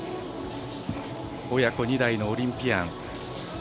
親子２代のオリンピアン。